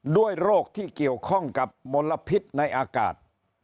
โรคที่เกี่ยวข้องกับมลพิษในอากาศ